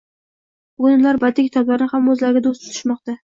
Bugun ular badiiy kitoblarni ham oʻzlariga doʻst tutishmoqda.